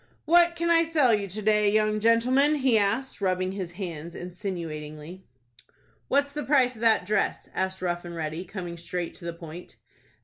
"What can I sell you to day, young gentleman?" he asked, rubbing his hands insinuatingly. "What's the price of that dress?" asked Rough and Ready, coming straight to the point.